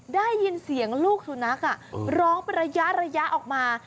ได้ยินเสียงลูกสุนัขร้องเป็นระยะออกมา